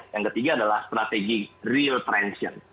yang ketiga adalah strategi real transition